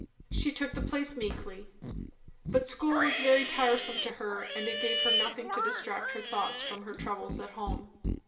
She took the place meekly. But school was very tiresome to her; and it gave her nothing to distract her thoughts from her troubles at home.